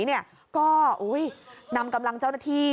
นี่มันเป็นไงนี่มันเป็นไง